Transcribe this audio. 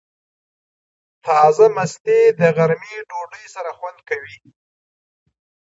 تازه مستې د غرمې ډوډۍ سره خوند کوي.